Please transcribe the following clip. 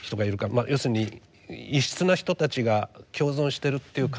要するに異質な人たちが共存してるっていう感覚